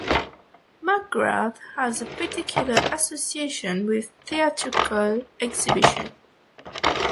McGrath has a particular association with theatrical exhibition.